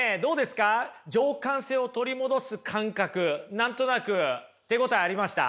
何となく手応えありました？